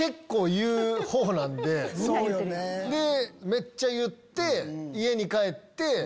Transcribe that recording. めっちゃ言って家に帰って。